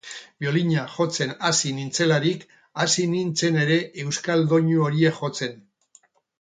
Biolina jotzen hasi nintzelarik, hasi nintzen ere euskal doinu horiek jotzen.